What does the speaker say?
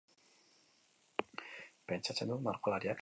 Pentsatzen dut margolariak bezalakoak garela.